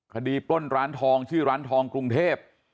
ปล้นร้านทองชื่อร้านทองกรุงเทพ